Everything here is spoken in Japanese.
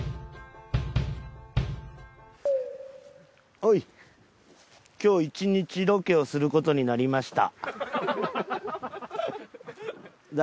おい今日１日ロケをすることになりました。